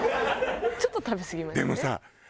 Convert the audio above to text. ちょっと食べすぎましたね。